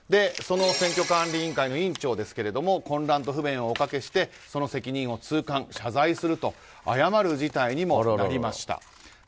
その選挙管理委員会の委員長混乱と不便をおかけしてその責任を痛感謝罪すると謝る事態にもなりました。